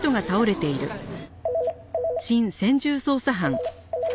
はい新専従捜査班。